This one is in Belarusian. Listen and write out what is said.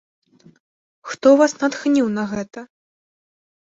Хто вас натхніў на гэта?